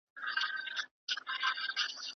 ¬ اختر پټ مېړه نه دئ.